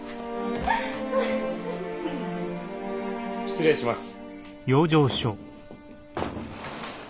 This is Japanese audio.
・失礼します。